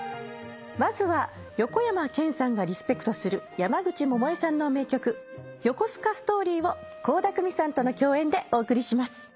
まずは横山剣さんがリスペクトする山口百恵さんの名曲『横須賀ストーリー』を倖田來未さんとの共演でお送りします。